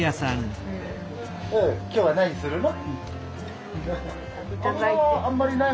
今日は何するの？